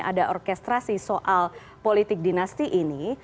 ada orkestrasi soal politik dinasti ini